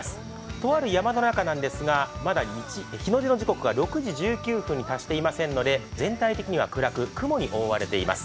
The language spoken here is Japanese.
とある山の中なんですが、まだ日の出の時刻、６時１９分に達していませんので全体的には暗く、雲に覆われています。